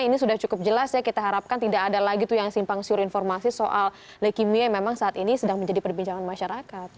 ini sudah cukup jelas ya kita harapkan tidak ada lagi tuh yang simpang siur informasi soal leukemia yang memang saat ini sedang menjadi perbincangan masyarakat